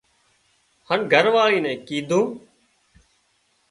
هانَ گھر واۯي نين ڪيڌون